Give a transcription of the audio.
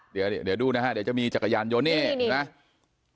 เดี๋ยวดูนะฮะเดี๋ยวจะมีจักรยานยนต์นี่เห็นไหม